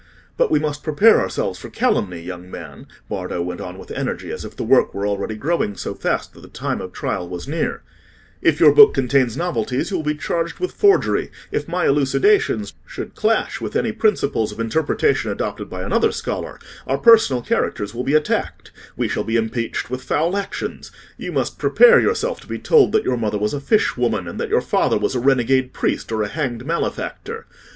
But we must prepare ourselves for calumny, young man," Bardo went on with energy, as if the work were already growing so fast that the time of trial was near; "if your book contains novelties you will be charged with forgery; if my elucidations should clash with any principles of interpretation adopted by another scholar, our personal characters will be attacked, we shall be impeached with foul actions; you must prepare yourself to be told that your mother was a fish woman, and that your father was a renegade priest or a hanged malefactor.